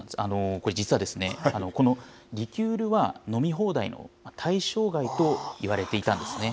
これ、実はですね、このリキュールは飲み放題の対象外と言われていたんですね。